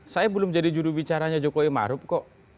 saya belum jadi juru bicaranya jokowi marub kok